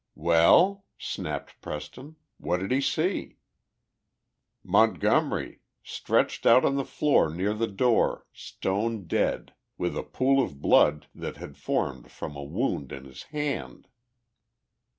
"Well," snapped Preston, "what did he see?" "Montgomery, stretched out on the floor near the door, stone dead with a pool of blood that had formed from a wound in his hand!"